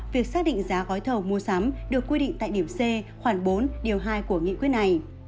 việc xác định giá gói thầu mua sắm được quy định tại điểm c khoảng bốn điều hai của nghị quyết này